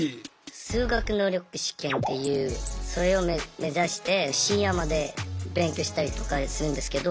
修学能力試験っていうそれを目指して深夜まで勉強したりとかするんですけど。